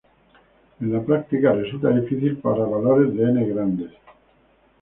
En la práctica resulta difícil para valores de "n" grandes.